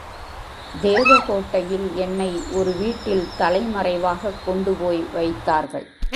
தேவகோட்டையில் என்னை ஒரு வீட்டில் தலைமறைவாகக் கொண்டு போய்வைத்தார்கள்.